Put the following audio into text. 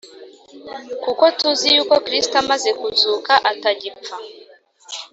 kuko tuzi yuko Kristo amaze kuzuka atagipfa